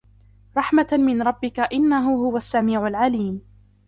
رَحْمَةً مِنْ رَبِّكَ إِنَّهُ هُوَ السَّمِيعُ الْعَلِيمُ